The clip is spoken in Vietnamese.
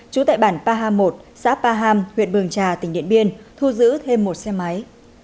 trú tại bản ba trăm hai mươi một xã pa ham huyện bường trà tỉnh điện biên thu giữ thêm một xe máy